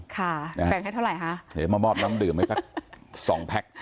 แบ่งให้เท่าไหร่ฮะเดี๋ยวมามอบน้ำดื่มให้สักสองแพ็ค